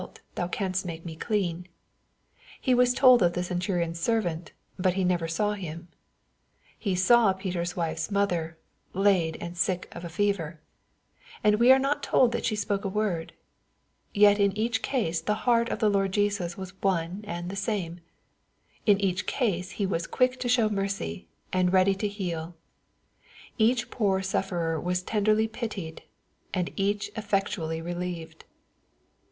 Vin. Tfi thou canst make me clean/' — He was told of the cen turion's servant, but He never saw him. — ^He saw Peter's wife's mother, " laid and sick of a fever ;" and we are not told that she spoke a word. — Yet in each case the heart of the Lord Jesus was one and the same. In eact case He was quick to show mercy, and ready to heal Each poor sufferer was tenderly pitied, and each effec tually relieved.